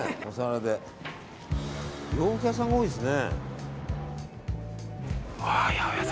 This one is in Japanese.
洋服屋さんが多いですね。